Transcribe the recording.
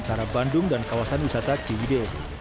antara bandung dan kawasan wisata ciwide